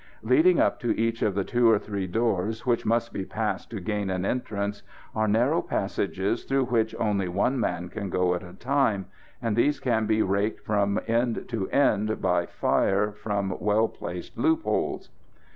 Leading up to each of the two or three doors, which must be passed to gain an entrance, are narrow passages through which only one man can go at a time, and these can be raked from end to end by the fire from well placed loopholes.